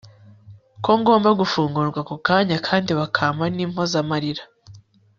kongomba gufungurwa ako kanya kandi bakampa n'impozamarira